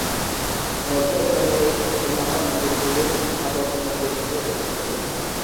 মধ্য ভারতে অন্যান্য মন্দিরগুলির স্থাপত্য মন্দির থেকে উৎপত্তি।